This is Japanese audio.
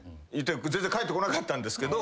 全然返ってこなかったんですけど。